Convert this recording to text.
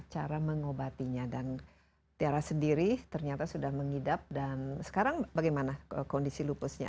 cara mengobatinya dan tiara sendiri ternyata sudah mengidap dan sekarang bagaimana kondisi lupusnya